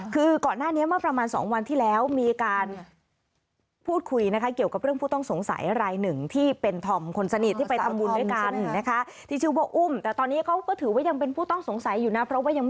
คือก่อนหน้านี้ประมาณ๒วันที่แล้วมีการพูดคุยนะคะ